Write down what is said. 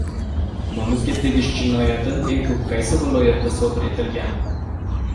Nomusga tegish jinoyati eng ko‘p qaysi viloyatida sodir etilgan?